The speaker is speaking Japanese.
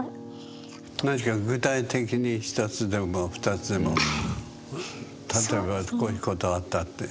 何か具体的に１つでも２つでも例えばこういうことあったって。